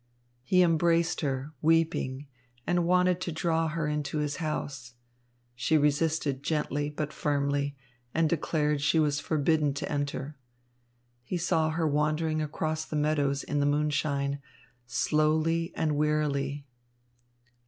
He embraced her, weeping, and wanted to draw her into his house. She resisted gently, but firmly, and declared she was forbidden to enter. He saw her wandering across the meadows in the moonshine, slowly and wearily.